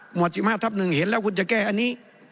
วด๑๕ทับ๑เห็นแล้วคุณจะแก้อันนี้